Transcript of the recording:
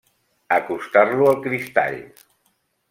Acostar-lo al cristall.